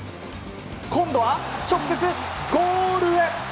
今度は、直接ゴールへ！